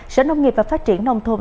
sở nông nghiệp và phát triển nông thôn